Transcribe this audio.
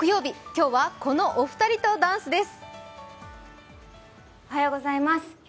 今日はこのお二人とダンスです。